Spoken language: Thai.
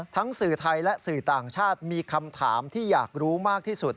สื่อไทยและสื่อต่างชาติมีคำถามที่อยากรู้มากที่สุด